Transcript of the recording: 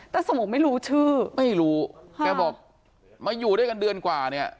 สโมไม่รู้ชื่อไม่รู้แกบอกมาอยู่ด้วยกันเดือนกว่าเนี่ย